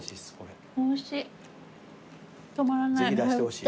止まらない。